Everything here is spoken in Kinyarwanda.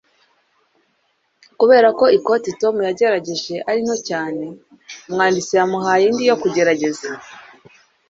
Kubera ko ikoti Tom yagerageje ari nto cyane, umwanditsi yamuhaye indi yo kugerageza.